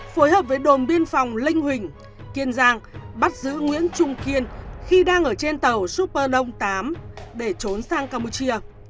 phối hợp với đồn biên phòng linh huỳnh kiên giang bắt giữ nguyễn trung kiên khi đang ở trên tàu superlong tám để trốn sang campuchia